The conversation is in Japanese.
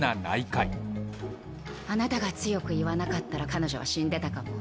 あなたが強く言わなかったら彼女は死んでたかも。